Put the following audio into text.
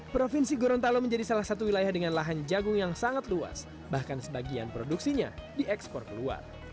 provinsi gorontalo menjadi salah satu wilayah dengan lahan jagung yang sangat luas bahkan sebagian produksinya diekspor keluar